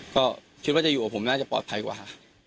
ก็คิดว่าจะอยู่กับผมน่าจะปลอดภัยกว่า